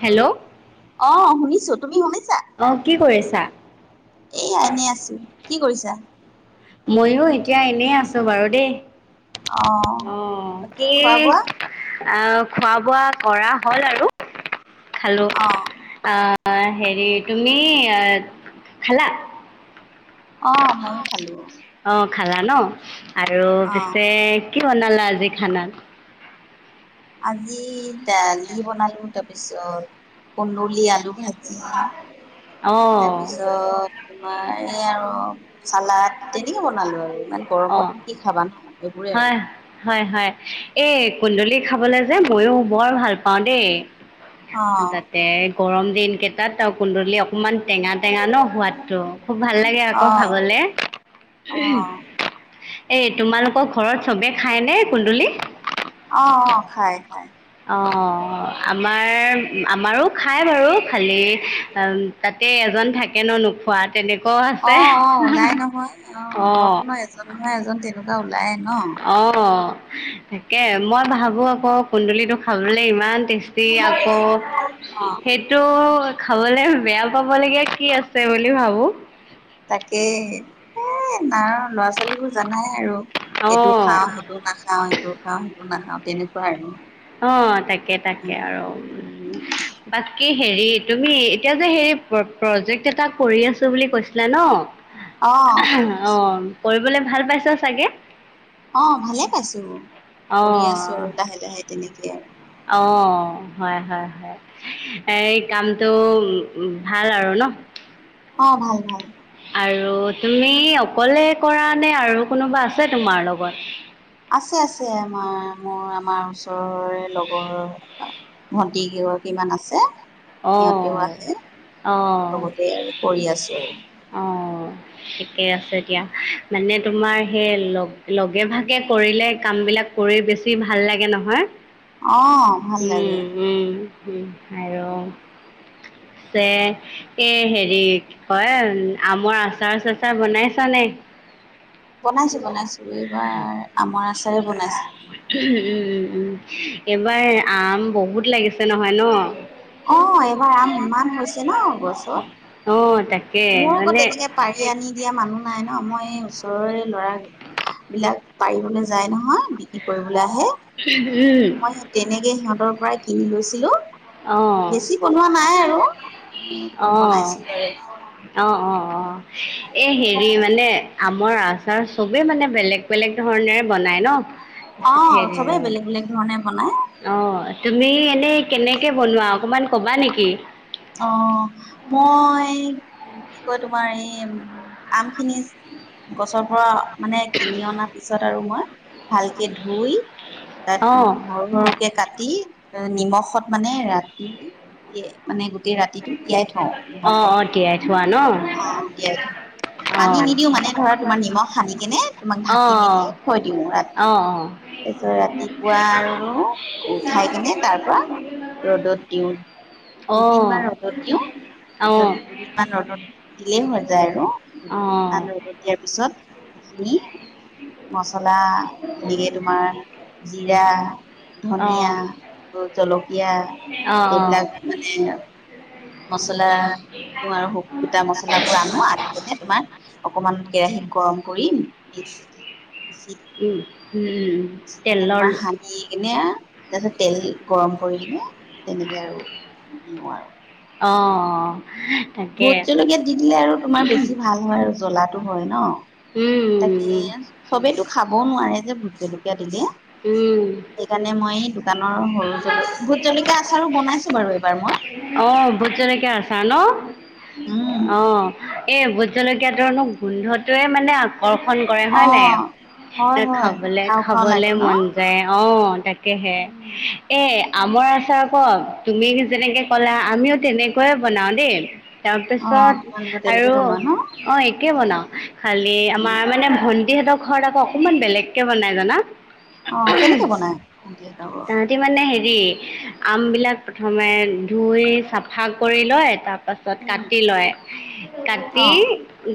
Hello অ শুনিছো তুমি শুনিছা। অ কি কৰিছা? এ এনে আছো কি কৰিছা? ময়ো এতিয়া এনেই আছো বাৰু দেই। অ আহ বাকী কি? খোৱা বোৱা খোৱা বোৱা কৰা হল আৰু খালো অ আহ। অ হেৰি তুমি খালা। অ ময়ো খালো। অ খালা ন আৰু অ পিছে কি বনালা আজি খানা। আজি দালি বনালো তাৰপিছত কল। পুৰি আলু ভাজি অঁ তাৰপিছত তোমাৰ এই আৰু চালাদ তেনেকে বনালো আৰু ইমান অঁ গৰমত কি খাবা নোহ এইবোৰে হয় আৰু হয় হয় এই কুন্দুলি খাবলৈ যে ময়ো বৰ ভাল পাওঁ দেই অ তাতে গৰম দিন কেইটাত আও কুন্দলি অ অকণমান টেঙা টেঙা ন সোৱাদটো খুব ভাল লাগে আকৌ খাবলে অঁ। এ তোমালোকৰ ঘৰত চবে খায়নে কুন্দুলি? অঁ অ‍ঁ খাই খাই। অঁ। আমাৰ আমাৰো খায় বাৰু খালী তাতে এজন থাকে ন নোখোৱা। তেনেকুৱাও আছে অঁ অঁ ওলাই নহয় অঁ ঘৰখনৰ এজন নহয় এজন তেনেকুৱা। ওলাই নঁ! অঁ তাকে মই ভাবো আকৌ কুন্দুলিটো খাবলৈ ইমান টেষ্টী। আকৌ অ সেইটো। খাবলে বেয়া পাবলগীয়া কি আছে বুলি ভাবো। তাকে এ ল'ৰা ছোৱালীবোৰ জানাই আৰু এইটো খাওঁ অঁ সেইটো নাখাওঁ সিটো খাওঁ সেইটো নাখাওঁ তেনেকুৱা আৰু অঁ তাকে তাকে আৰু বাকী। হেৰি তুমি এতিয়া যে হেৰি প্ৰজেক্ট এটা কৰি আছো বুলি কৈছিলা নহ! অঁ কৰিবলৈ ভাল পাইছ চাগে? অঁ ভালে পাইছো কৰি আছো আৰু লাহে লাহে তেনেকে। আৰু অঁ হয় হয় হয় এই কামটো ভাল আৰু লহ অঁ ভাল ভাল আৰু তুমি অকলে কৰা নে আৰু কোনোবা আছে তোমাৰ লগত? আছে আছে আমাৰ মোৰ আমাৰ ওচৰৰে লগৰ ভণ্টি কেইগৰাকী মান আছে সিহঁতেও অঁহ আহে অঁহ লগতে আৰু কৰি আছো আৰু অঁহ ঠিকেই আছে দিয়া মানে তোমাৰ সেই লগ লগে ভাগে কৰিলে কাম বিলাক কৰি বেছি ভাল লাগে নহয় অ ভাল লাগে উঁম উঁম আৰু পিছে এই হেৰি কি কয় আমৰ আচাৰ চাচাৰ বনাছা নে? [unintelligible] বনাইছো বনাইছো এইবাৰ আমাৰ উঁম উঁম উঁম এইবাৰ আম বহুত লাগিছে। নহয় ন অঁ এইবাৰ আম ইমান হৈছে ন গছত। অঁ তাকে মোৰ অক মানে তেনেকে পাৰি আনি দিয়া মানুহ নাই ন মই এই ওচৰৰে ল'ৰা বিলাক পাৰিবলৈ যায় নহয় বিক্ৰী কৰিব ওলাই আহে, উম মই তেনেকে সিহঁতৰ পৰাই কিনি লৈছিলোঁ। অঁ বেছি বনোৱা নাই আৰু অকণ বনাইছো। অঁ অঁ অঁ এই হেৰি মানে আমৰ আচাৰ চবেই মানে বেলেগ বেলেগ ধৰণেৰে বনায় নহ! অঁ চবে বেলেগ বেলেগ ধৰণে বনাই। অঁ তুমি এনেই কেনেকে বনোৱা অকনমান কবা নেকি? অঁ মই কি কয় তোমাৰ এই আম খিনি গছৰ পৰা মানে কিনি অনাৰ পিছত আৰু মই ভালকে ধুই তাত অ উ সৰু সৰুকে কাটি নিমখত মানে ৰাতি মানে গোটেই ৰাতিটো তিয়াই থওঁ অ নিমখত অ তিয়াই থোৱা ন অঁ তিয়াই থওঁ। অ পানী নিদিও মানে ধৰা তোমাৰ নিমখ সানি কেনে তোমাক অ ঢাকি মেলি থৈ দিওঁ ৰাতি। অ অ তাৰিছত ৰাতিপুৱা আৰু উঠাই কিনে তাৰ পৰা ৰদত দিওঁ। দুদিনমান অ ৰ'দত দিওঁ অ তাৰপিছত দুদিনমান ৰ'দত দিলেই হৈ যায় আৰু দুদিনমান অ ৰ'দত দিয়াৰ পিছত সেইখিনি মচলা, এনেকে তোমাৰ জিৰা, অ অ অ ধনীয়া, জলকীয়া এইবিলাক মানে [inaudible] মছলা দিও আৰু গুটা মচলাবোৰ আনো আনি পিনে তোমাৰ অকমান কেৰাহিতত গৰম কৰি মিক্সি দিও উম উম চিকিনে তেলৰ তোমাৰ সানি কিনে তাৰপিছত তেল গৰম কৰি কিনে তেনেকে আৰু ইউ আৰু। অঁ ভোট জলকীয়াত দি দিলে আৰু তোমাৰ বেছি ভাল হয় আৰু জ্বলাটো হয় ন? উম উম তাকে চবেইতো খাবও নোৱাৰে যে ভোট জেলকীয়া দিলে। উম সেইকাৰণে মই দোকানৰ সৰু জল ভোট জলকীয়া আচাৰো বনাইছো বাৰু এইবাৰ মই। অ ভোট জলকীয়া ন উম, অঁ এই ভোট জলকীয়াটোৰনো গোন্ধটোৱে মানে আকৰ্ষণ কৰে হয় নাই অ', হয়, হয়, খাবলে খাওঁ খাওঁ খাবলে লাগে ন? মন যায় অ তাকেহে উম, এ আমৰ আচাৰ আক তুমি যেনেকে ক'লা আমিও তেনেকৈয়ে বনাও দেই অ', তাৰপিছত তোমালোকে তেনেকে আৰু বনোৱা ন? অ একে বনাওঁ খালী উম, আমাৰ মানে ভণ্টিহেতক ঘৰত আকৌ অকনমান বেলেগ কে বনাই জানা? অ কেনেকে বনাই? আমবিলাক প্ৰথমে ধুই চাফা কৰি ল'ই, তাৰ পাছত উম, কাটি লয়, কাটি অ',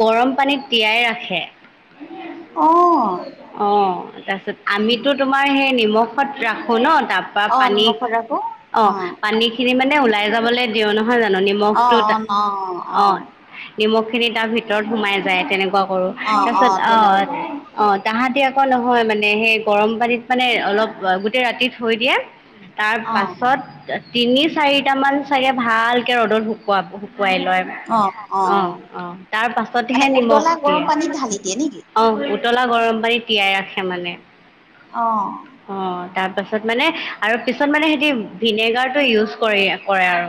গৰম পানীত তিয়াই ৰাখে অ', অ তাৰপিছত উম, আমিতো তোমাৰ সেই নিমখত ৰাখো ন তাৰ পৰা অ', পানী নিমখত ৰাখো অ পানী খিনি মানে ওলাই জাবলে দিওঁ নহয় জানো? নিমখটো অ নিমখখিনি তাৰ ভিতৰত সোমাই যায় তেনেকুৱা কৰোঁ। অ', তাৰপিছত অ', তেনেকৈ কৰো অ তাহাঁতি নহয় মানে সেই গৰম পানীত মানে অলপ গোটেই ৰাতি থৈ দিয়ে তাৰ অ', পাছত তিনি -চাৰিটা মান চাগে ভালকে ৰ'দত শুকুৱাব, কুৱাই লয় অ অ তাৰ মানে পাছতেহে নিমখ উতলা গৰম দিয়ে। পানীত ঢালি দিয়ে নেকি? অ উতলা গৰম পানী তিয়াই ৰাখে মানে। আহ তাৰ পাছত মানে আৰু পিছত মানে সিহতি ভিনেগাৰটো ইউজ কৰি কৰে আৰু।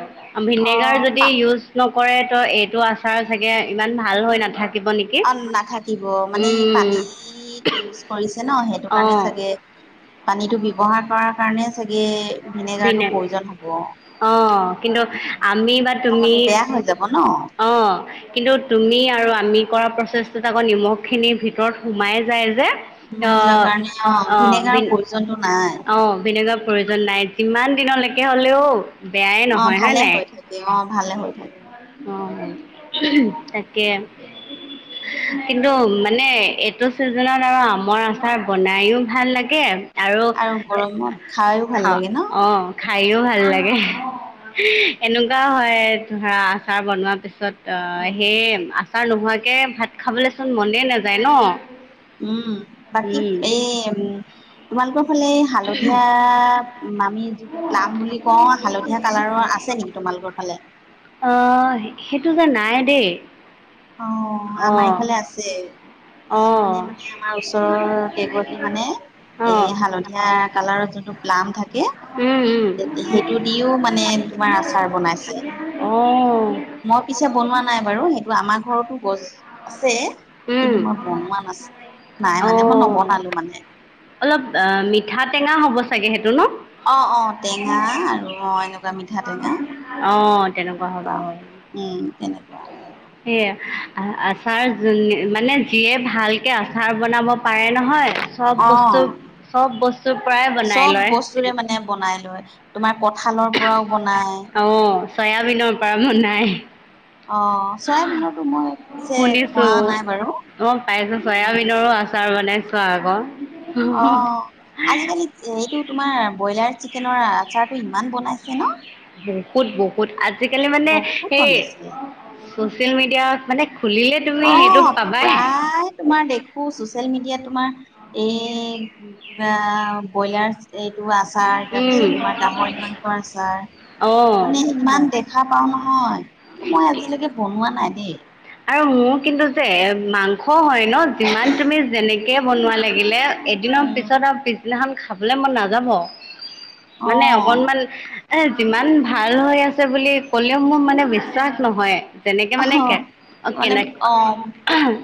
ভিনেগাৰ অ', যদি ইউজ নকৰে ত এইটো আচাৰ চাগে ইমান ভাল হৈ নাথাকে অ নাথাকিব মানে পানী ইউজ কৰিছে ন সেইটো অ কাৰণে চাগে পানীতটো ব্যৱহাৰ কৰাৰ কাৰণে চাগে ভিনেগাৰটো ভিনে প্ৰয়োজন হ'ব। অ কিন্তু আমি বা তুমি নহ'লে বেয়া হৈ যাব ন অ কিন্তু তুমি আৰু আমি কৰা প্ৰচেছটোত আকৌ নিমখ খিনিৰ ভিতৰত সোমাই যায় যে সোমাই অ যোৱাৰ কাৰণে অ ভিনেগাৰৰ বিন প্ৰয়োজনটো নাই। অ বিনেগ [unintelligible] প্ৰয়োজন নাই যিমান দিনলৈকে হ'লেও বেয়াই অ নহয় হ ভালে নাই? হৈ থাকে অ ভালে হৈ থাকে অ তাকে কিন্তু মানে এইটো চিজনত আৰু আমৰ আচাৰ বনাইও ভাল লাগে, আৰু গৰমত খাইও ভাল খা লাগে ন। অ খায়ো ভাল ভাল লাগে, এনেকুৱাও হয় ধৰা আচাৰ বনোৱাৰ পিছত ত উম সেই আচাৰ নোহোৱাকে ভাত খাবলৈচোন মনে নাযায় ন। উম, বাকী উম, এ উম তোমালোকৰ ফালে এই হালধীয়া আমি যিটো প্লাম বুলি কওঁ হালধীয়া কালাৰৰ আছে নেকি তোমাৰ তোমালোকৰ ফালে অ সেইটো যে নাই দেই অ আমাৰ অ', এইফালে আছে অ', কিছুমানে মানে আমাৰ ওচৰৰ কেইগৰাকী মানে অ', এ হালধীয়া কালাৰৰ যোনটো প্লাম থাকে উম, সেইটো দিও মানে তোমাৰ আচাৰ বনাইছে উম, অ', মই পিছে বনোৱা নাই বাৰু সেইটো আমাৰ ঘৰতো গছ আছে উম, কিন্তু মই বনোৱা নাছিল নাই মানে মই অ'। নবনালো মানে অলপ অ মিঠা টেঙা হ'ব চাগে সেইটো ন অ অ টেঙা আৰু অ এনেকুৱা মিঠা টেঙা অঁ তেনেকুৱা এনেকুৱা উম তেনেকুৱা সেইয়া আচাৰ মানে যিয়ে ভালকে আচাৰ বনাব পাৰে নহয় চব অ বস্তু চব বস্তুৰ পৰাই বনাই চব লয় বস্তুৰে মানে বনাই লৈ তোমাৰ কঠালৰ পৰাও বনাই অঁ চয়াবিনৰ পৰা ব অ চয়াবিনৰটো মই পিছে শুনিছো খোৱা নাই বাৰু অ পাইছো চয়াবিনৰো আছে আচাৰ বনাইছোৱা আকৌ অ আজিকালি এইটো তোমাৰ ব্ৰইলাৰ চিকেনৰ আচাৰটো ইমান বনাইছে ন বহুত বহুত আজিকালি মানে বহুত সেই বনাইছে চচিয়েল মিডিয়া মানে খুলিলে তুমি অ, সেইটো পাবাই প্ৰায় তোমাৰ দেখো চচিয়েল মিডিয়াত তোমাৰ এই কিবা ব্ৰইলাৰ এইটো আচাৰ উম, তাৰপিছত তোমাৰ গাহৰি মাংসৰ আচাৰ অঁ মানে ইমান দেখা পাও নহয় কিন্তু মই আজিলৈকে বনোৱা নাই দেই। আৰু মোৰ কিন্তু যে মাংস হয় ন যিমান তুমি যেনেকৈ বনোৱা লাগিলে এদিনৰ উম পিছত আৰু পিছদিনাখন খাবলে মই নাযাব, অ মানে অকনমান এ যিমান ভাল হৈ আছে বুলি কলেও মোৰ মানে বিশ্বাস নহয়। যেনেকে অহ মানে কে অ মানে কেনে অ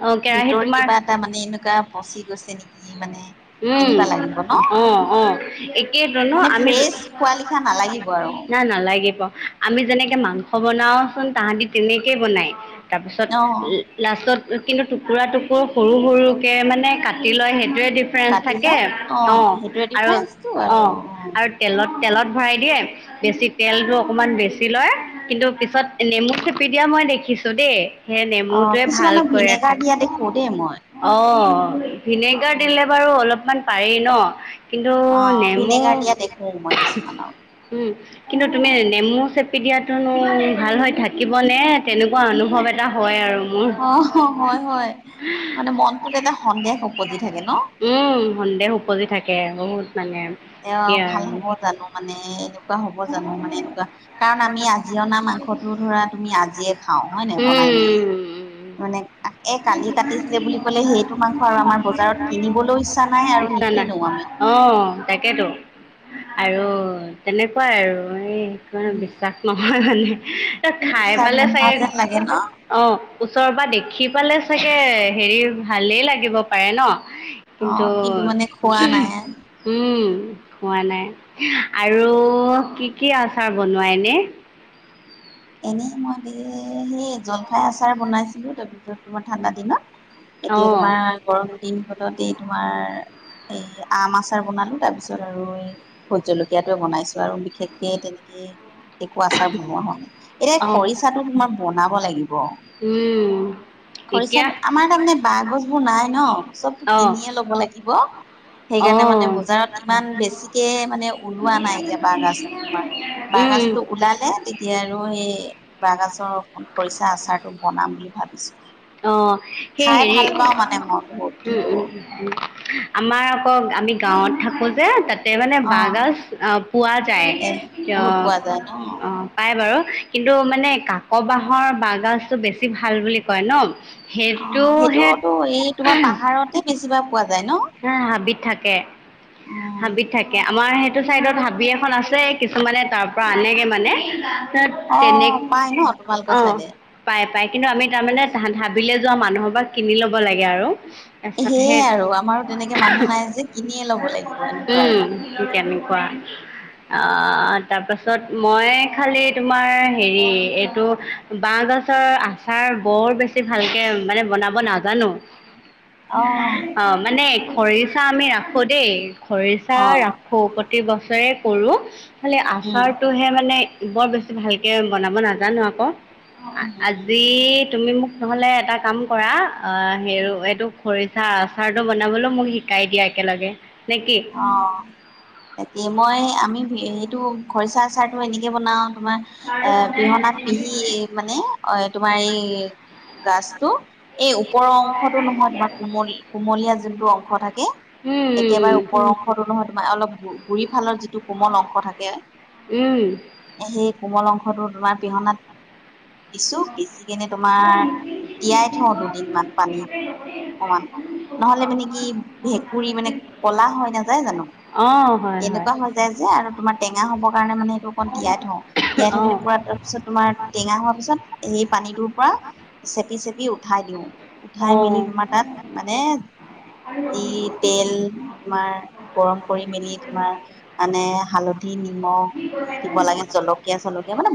অ কেৰাহীত ভিতৰ তোমাৰ কিবা এটা মানে এনেকুৱা পচি গৈছে নেকি মানে উম এনেকুৱা লাগিব ন অ অ একেইটো ন মানে আমি ফ্ৰেছ খোৱা লিখা নালাগিব আৰু না নালাগিব, কাৰণ আমি যেনেকে মাংস বনাও কল তাহাতি তেনেকে বনাই তাৰপিছত অ লাষ্টত কিন্তু টুকুৰা টুকুৰ সৰু সৰুকে মানে কাটি লয় সেইটোৱে তে কাটিলা থাকে অ সেইটোৱে আৰু ডিফাৰেন্ঞ্চটো অ আৰু আৰু তেলত তেলত ভৰাই দিয়ে, বেছি তেলটো অকণমান বেছি লয় কিন্তু পিছত নেমু খেপি দিয়া মই দেখি ক্ষ্য দেই সেই অ নেমুটোৱে কিছুমানক ভালকৈ ভিনেগাৰ ৰাখে দিয়া দেখো দেই মই অ। ভিনেগাৰ দিলে বাৰু অলপমান পাৰেই ন। কিন্তু অ নেমু ভিনেগাৰ দিয়া দেখো মই কিছুমানক উম। কিন্তু তুমি নেমু চেপি দিয়াতনো ভাল হৈ থাকিবনে তেনেকুৱা অনুভৱ এটা হয় আৰু। মোৰ অ হয় হয় মানে মনটোত এটা সন্দেহ উপজি থাকে ন। উম সন্দেহ উপজি থাকে বহুত। মানে এ কি ভাল আৰু হব জানো মানে এনেকুৱা হব জানো মানে এনেকুৱা কাৰণ আমি আজি অনা মা মাংসটো ধৰা তুমি আজিয়ে খাওঁ হয় ন বনাই মেলি উম মানে এ কালি কাটিছিলে বুলি ক'লে সেইটো মাংস আৰু আমাৰ বজাৰত কিনিবলৈও ইচ্ছা নাই আৰু ইচ্ছা নাই নিকিনো আমি। অ তাকেতো আৰু তেনেকুৱাই আৰু এই একণে বিশ্বাস নহয় মানে। খাই বিশ্বাস পালে নোহোৱা চাগে যেন লাগে ন? অ ওচৰৰ পৰা দেখি পালে চাগে হেৰি ভালেই লাগিব পাৰে ন? কিন্তু অ' মানে খোৱা নাই। উম। খোৱা নাই, আৰু কি কি আচাৰ বনোৱাই এনে? এনে মই দে সেই জলফাই আচাৰ বনাইছিলো তাৰপিছত তোমাৰ ঠাণ্ডা দিনত। এতিয়া অ' তোমাৰ গৰম দিনকনতে তোমাৰ এ আম আচাৰ বনালো তাৰ পিছত আৰু এই ভোট জলকীয়াটো বনাইছো আৰু বিশেষকে তেনে এ একো আচাৰ বনোৱা হোৱা নাই, এতিয়া অ' খৰিচাটো তোমাৰ বনাব লাগি উম। এতিয়া খৰিচাটো আমাৰ তাৰমানে বাঁহগছবোৰ নাই ন চবতো অ' কিনিয়ে ল'ব লাগিব। সেইকাৰণে অ' মানে উম বজাৰত ইমান বেছিকে মানে ওলোৱা নাই এতিয়া বাঁহ গাজটো তোমাৰ। বাঁহ উম গাজটো ওলালে তেতিয়া মই এই বাঁহগাজৰ খৰিচা আচাৰটো বনাম বুলি ভাবিছোঁ। অ সেই হেৰি মই বহুত উম সেইটো উম উম। আমাৰ আকৌ আমি গাঁৱত থাকো যে তাত তে মানে অ', বাঁহগাজ পোৱা যায় এ ক, বহুত পোৱা যায় ন অ পায় বাৰু। কিন্তু মানে কাক বাহৰ বাঁহগাজটো বেছি ভাল বুলি কয় ন। অ সেইটোহে সেইটোতো এই তোমাৰ পাহাৰতে বেছিভাগ পোৱা যায় ন? হা হাবিত থাকে। অ', হাবিত থাকে আমাৰ সেইটো চাইডত হাবি এখন আছে কিছুমানে তাৰ পৰা আনেগে মানে তেনেক অ', পাই ন তোমালোকৰ অ চাইডে? পাই পাই কিন্তু আমি তাৰমানে হাবিলে যোৱা মানুহৰ পৰা কিনি লব লাগে আৰু। তাৰপিছত সেয়ে সেই আৰু আমাৰো তেনেকে মানুহ নাই যে কিনিয়ে ল'ব লাগিব। এনেকুৱা আৰু। উম কেনেকুৱা। অ তাৰপাছত মই খালি তোমাৰ হেৰি এইটো ব ছৰ আচাৰ বৰ বেছি ভালকৈ মানে বনাব নাজানো অ মানে খৰিচা আমি ৰাখো দেই খৰিচা অ', ৰাখো। প্ৰতি বছৰে কৰোঁ খালি উম, আচাৰটোহে মানে বৰ বেছি ভালকে বনাব নাজানো আকৌ উম, উম, আজি তুমি মোক নহ'লে এটা কাম কৰা অ হে এইটো খৰিচা আচাৰটো বনাবলৈও মোক শিকাই দিয়া একেলগে। নে কি অ তাকে মই আমি সেইটো খৰিচা আচাৰটো এনেকে বনাও তোমাৰ এ পিহনাত পিহি মানে অ তোমাৰ এই গাজতটো এই ওপৰৰ অংশতটো নহয় তোমাৰ কোমল কুমলীয়া যোনটো অংশ থাকে। উম উম উম্। ওপৰ অংশ নহয় তোমাৰ অলপ গুৰি ফালৰ যিটো কোমল অংশ থাকে উম সেই কোমল অংশ তোমাৰ পিহনাত দিছো পিচি কেনে তোমাৰ তিয়াই থওঁ দুদিনমান পানীত অকমান। নহলে মানে কি ভেকুুৰী মানে কলা হৈ নাযায় জানো? অঁ হয় হয় এনেকুৱা হৈ যায় যে আৰু তোমাৰ টেঙা হ'ব। কাৰণে মানে সেইটো অকণ তিয়াই থ তিয়াই থৈ অঁ কিনি পুৰা তাৰ পিছত তোমাৰ টেঙা হোৱাৰ পিছত সেই পানীটোৰ পৰা চেপি চেপি আ উঠাই দিওঁ উঠাই মেলি অঁ তোমাৰ তাত মানে যি তেল তোমাৰ গৰম কৰি মেলি তোমাৰ মানে হালধ দি নিমখ দি দিব লাগে জলকীয়া চলকীয়া মানে